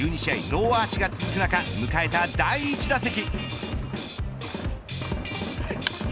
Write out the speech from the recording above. ノーアーチが続く中迎えた第１打席。